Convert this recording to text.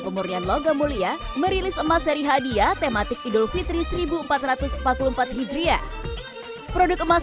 pemurnian logam mulia merilis emas seri hadiah tematik idul fitri seribu empat ratus empat puluh empat hijriah produk emas